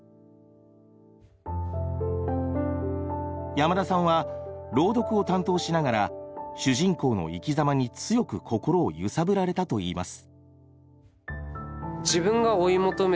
山田さんは朗読を担当しながら主人公の生きざまに強く心をゆさぶられたといいます。